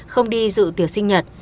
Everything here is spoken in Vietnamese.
không đi dự tiệc sinh nhật